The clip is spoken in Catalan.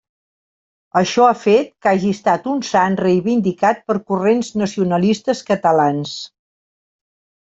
Això ha fet que hagi estat un sant reivindicat per corrents nacionalistes catalans.